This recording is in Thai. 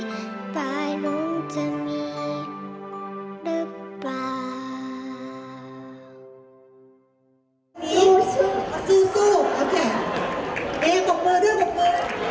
ปลายรุ่มจะมีหรือเปล่า